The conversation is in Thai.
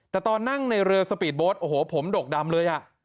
แต่ตอนนั่งในเรือสปีดโบสต์โอ้โหผมดกดำเลยอ่ะ